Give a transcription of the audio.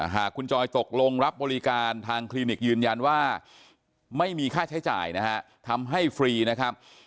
หากคุณจอยตกลงรับบริการทางคลินิกยืนยันว่าไม่มีค่าใช้จ่ายนะฮะทำให้ฟรีนะครับ